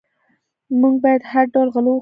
موږ باید هر ډول غله وخورو.